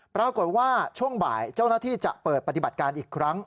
ปรากฏว่าช่วงบ่ายเจ้าหน้าที่จะเปิดปฏิบัติการอีกครั้ง